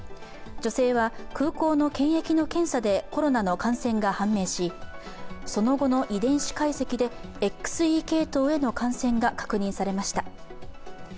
女性は空港の検疫の検査でコロナの感染が判明し、その後の遺伝子解析でＸＥ系統への感染が確認されました。